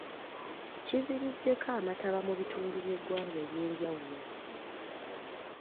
Kiviiriddeko amataba mu bitundu by’eggwanga ebyenjawulo.